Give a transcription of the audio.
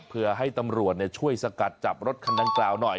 เพื่อให้ตำรวจช่วยสกัดจับรถคันดังกล่าวหน่อย